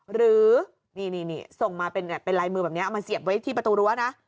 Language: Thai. หรือนี่ส่งมาเป็นลายมือแบบนี้เอามาเสียบไว้ที่ประตูรั้วนะ